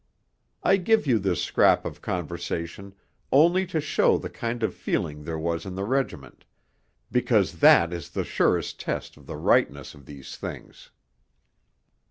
I give you this scrap of conversation only to show the kind of feeling there was in the regiment because that is the surest test of the rightness of these things.